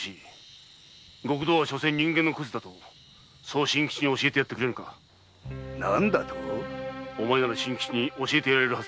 極道はしょせん人間のクズだとそう真吉に教えてやってくれ何だとお前なら真吉に教えてやれるはず。